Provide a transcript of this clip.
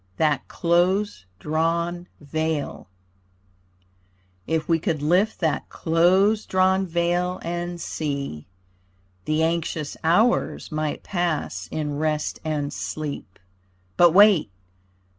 THAT CLOSE DRAWN VEIL If we could lift that close drawn veil and see, The anxious hours might pass in rest and sleep. But wait!